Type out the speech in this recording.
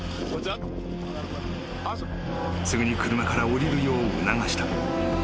［すぐに車から降りるよう促した］